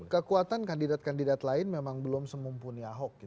kekuatan kandidat kandidat lain memang belum semumpul